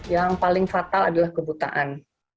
yang paling fatal adalah kebutaan